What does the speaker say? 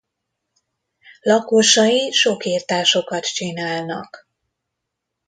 Lakosai sok irtásokat csinálnak.